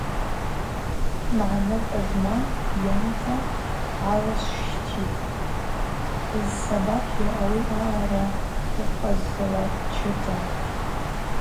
Магӏныкӏ змамгьи йамна гӏалшвщтитӏ, йызсабапйа ауи аъарагьи укъазауатчыта.